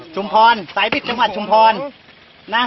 พรสายบิดจังหวัดชุมพรนะ